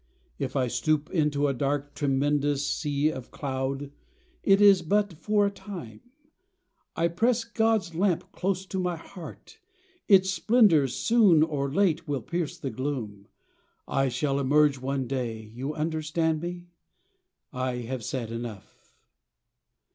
If I stoop Into a dark, tremendous sea of cloud It is but for a time ; I press God's lamp 28 lEaetcr IFnterpretcD. Close to my heart ; its splendors, soon or late, Will pierce the gloom, I shall emerge one day. You understand me? I have said enough